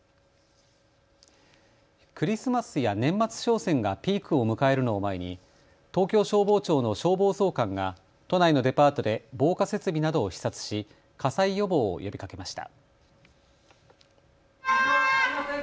クリスマスや年末商戦がピークを迎えるのを前に東京消防庁の消防総監が都内のデパートで防火設備などを視察し火災予防を呼びかけました。